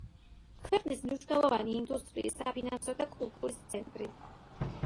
ქვეყნის მნიშვნელოვანი ინდუსტრიის, საფინანსო და კულტურის ცენტრი.